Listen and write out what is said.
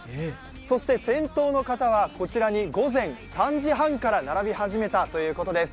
そして先頭の方はこちらに午前３時半から並び始めたということです。